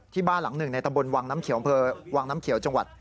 ที่บ้านหลังหนึ่งในตำบลวังน้ำเขียวจังหวัด